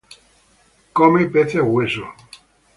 Come peces hueso.